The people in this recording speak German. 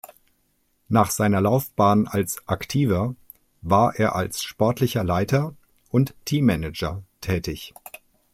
Nach seiner Laufbahn als Aktiver war er als Sportlicher Leiter und Teammanager tätig.